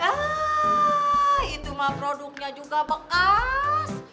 nah itu mah produknya juga bekas